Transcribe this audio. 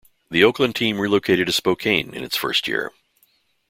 The Oakland team relocated to Spokane in its first year.